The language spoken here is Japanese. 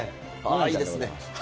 いいですね。